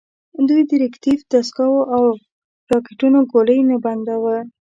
دوی د ریکتیف دستګاوو او راکېټونو ګولۍ نه بنداوه.